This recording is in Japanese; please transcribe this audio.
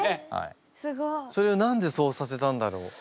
すごい。それは何でそうさせたんだろう？